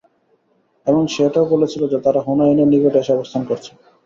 এবং সে এটাও বলেছিল যে, তারা হুনাইনের নিকটে এসে অবস্থান করছে।